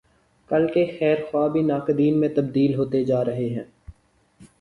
کل کے خیر خواہ بھی ناقدین میں تبدیل ہوتے جارہے ہیں۔